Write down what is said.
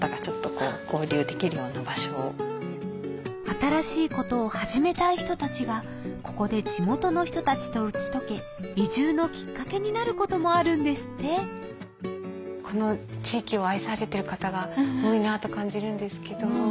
新しいことを始めたい人たちがここで地元の人たちと打ち解け移住のきっかけになることもあるんですってこの地域を愛されてる方が多いなと感じるんですけど。